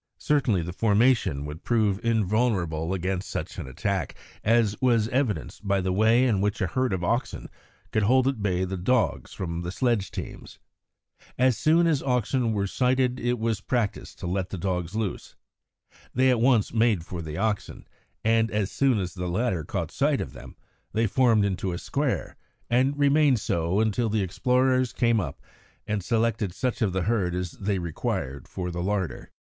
Certainly the formation would prove invulnerable against such an attack, as was evidenced by the way in which a herd of oxen could hold at bay the dogs from the sledge teams. As soon as oxen were sighted it was the practice to let the dogs loose. They at once made for the oxen, and, as soon as the latter caught sight of them, they formed into a square and remained so until the explorers came up and selected such of the herd as they required for the larder.